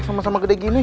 sama sama gede gini